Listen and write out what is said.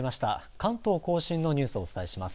関東甲信のニュースをお伝えします。